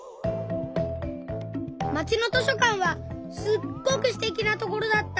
まちの図書かんはすっごくすてきなところだった。